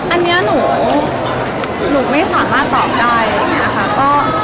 อันนี้ได้มีการแบบรับเที่ยวใจอะไรกันไหมคะ